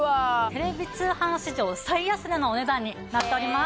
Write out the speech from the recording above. テレビ通販史上最安値のお値段になっております。